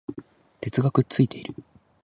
鉄がくっついている